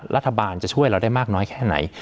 รัฐบาลจะช่วยเราได้มากน้อยแค่ไหน